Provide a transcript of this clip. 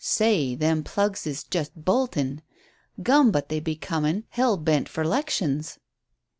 "Say, them plugs is just boltin'. Gum, but they be comin' hell belt fer leckshuns."